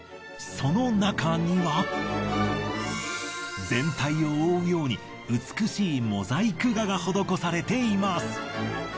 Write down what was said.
その中には全体を覆うように美しいモザイク画が施されています。